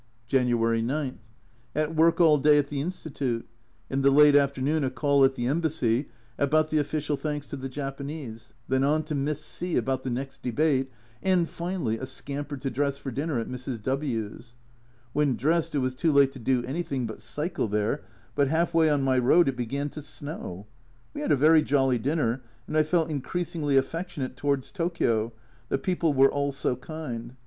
(c 128) S 258 A Journal from Japan January 9. At work all day at the Institute ; in the late afternoon a call at the Embassy about the official thanks to the Japanese, then on to Miss C about the next Debate, and, finally, a scamper to dress for dinner at Mrs. W 's. When dressed it was too late to do anything but cycle there, but half way on my road it began to snow I We had a very jolly dinner, and I felt increasingly affectionate towards Tokio, the people were all so kind.